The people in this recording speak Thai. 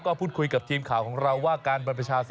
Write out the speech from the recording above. ก็พูดคุยกับทีมข่าวของเราว่าการบรรพชา